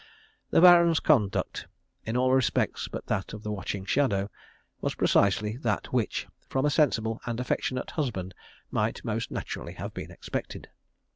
The Baron's conduct in all respects but that of the watching shadow was precisely that which, from a sensible and affectionate husband, might most naturally have been expected.